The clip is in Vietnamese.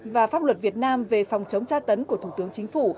và pháp luật việt nam về phòng chống tra tấn của thủ tướng chính phủ